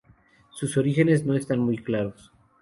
Sus orígenes no están muy claros.